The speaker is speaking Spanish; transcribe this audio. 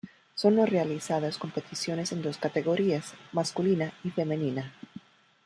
Son realizadas competiciones en dos categorías: masculina y femenina.